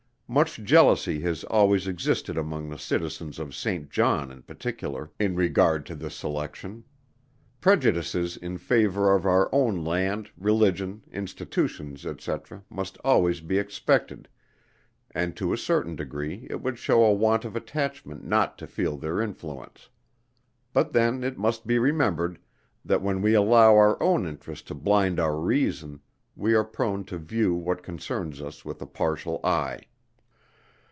Much jealousy has always existed among the Citizens of St. John in particular, in regard to this selection. Prejudices in favor of our own land, religion, institutions, &c. must always be expected, and to a certain degree it would show a want of attachment not to feel their influence; but then it must be remembered that when we allow our own interest to blind our reason, we are prone to view what concerns us with a partial eye.